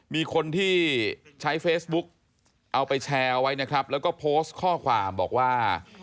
มีคนที่ใช้เฟซบุ๊กเอาไปแชร์ไว้นะครับแล้วก็โพสต์ข้อความบอกว่า